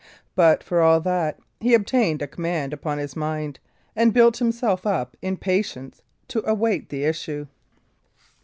But, for all that, he obtained a command upon his mind, and built himself up in patience to await the issue.